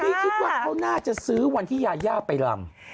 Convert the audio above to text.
คิดว่าเขาน่าจะซื้อวันที่ยายาไปลำ